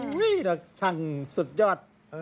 นี่แหละช่างสุดยอด